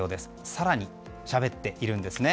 更にしゃべっています。